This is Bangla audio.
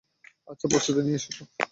আচ্ছা, প্রস্তুতি নিয়ে এসেছ?